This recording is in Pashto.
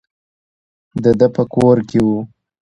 د ده په کور کې وو.